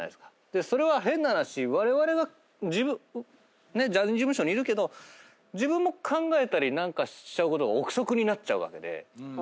それは変な話われわれがジャニーズ事務所にいるけど自分も考えたり何かしちゃうことが臆測になっちゃうわけで。